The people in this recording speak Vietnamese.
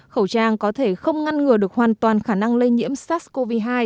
khẩu trang có thể không ngăn ngừa được hoàn toàn khả năng lây nhiễm sars cov hai